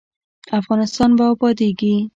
افغانستان به ابادیږي؟